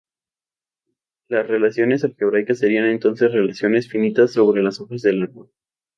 Las relaciones algebraicas serían entonces relaciones finitas sobre las hojas del árbol.